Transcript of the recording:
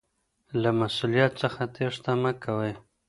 له مسؤلیت څخه تیښته مه کوئ.